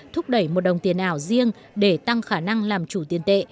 thúc đẩy một đồng tiền ảo riêng để tăng khả năng làm chủ tiền tệ